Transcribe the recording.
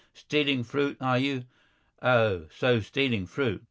Stealing fruit, are you? Oh, so, stealing fruit!